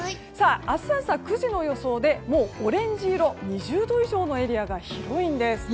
明日朝９時の予想でもうオレンジ色２０度以上のエリアが広いんです。